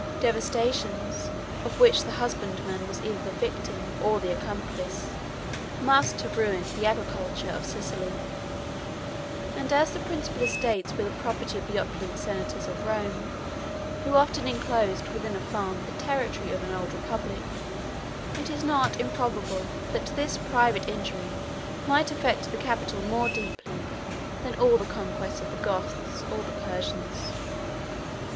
169 Devastations, of which the husbandman was either the victim or the accomplice, must have ruined the agriculture of Sicily; and as the principal estates were the property of the opulent senators of Rome, who often enclosed within a farm the territory of an old republic, it is not improbable, that this private injury might affect the capital more deeply, than all the conquests of the Goths or the Persians.